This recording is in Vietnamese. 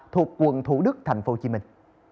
thuộc quận thủ đức thành phố hồ chí minh